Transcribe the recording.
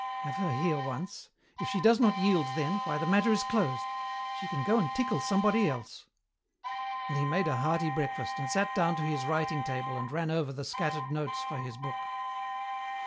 Have her here once. If she does not yield then, why, the matter is closed. She can go and tickle somebody else." And he made a hearty breakfast, and sat down to his writing table and ran over the scattered notes for his book.